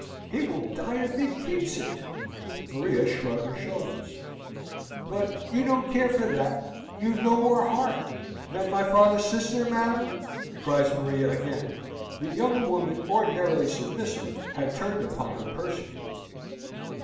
"He will die if he keeps it!" (Maria shrugged her shoulders.) "But you don't care for that you've no more heart " "Than my father's sister, madam!" cries Maria again. The younger woman, ordinarily submissive, had turned upon here persecutor.